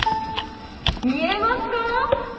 見えますか。